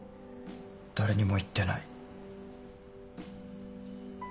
誰にも言ってない。